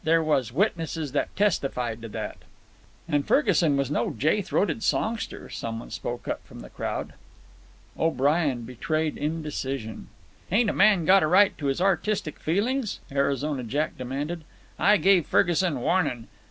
There was witnesses that testified to that. "An' Ferguson was no jay throated songster," some one spoke up from the crowd. O'Brien betrayed indecision. "Ain't a man got a right to his artistic feelin's?" Arizona Jack demanded. "I gave Ferguson warnin'.